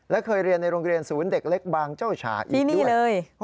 และเคยเรียนในโรงเรียนศูนย์เด็กเล็กบางเจ้าฉาอีกด้วย